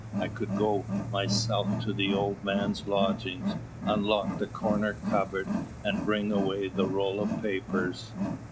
I could go myself to the old man's lodgings, unlock the corner cupboard, and bring away the roll of papers.